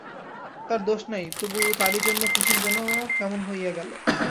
তার দোষ নাই, তবু তারই জন্য কুসুম যেন কেমন হইয়া গেল।